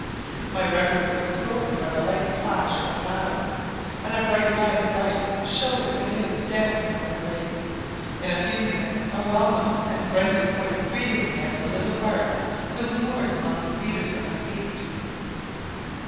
My reverie was broken by the light plash of a paddle, and a bright line of light showed a canoe dancing over the lake: in a few minutes a well known and friendly voice greeted me as the little bark was moored among the cedars at my feet.